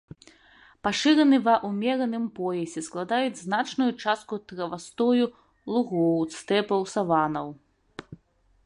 Пашыраны ва ўмераным поясе, складаюць значную частку травастою лугоў, стэпаў, саваннаў.